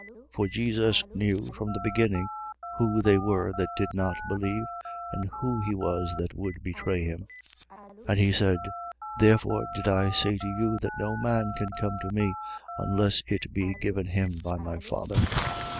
For Jesus knew from the beginning who they were that did not believe and who he was that would betray him. 6:66. And he said: Therefore did I say to you that no man can come to me, unless it be given him by my Father.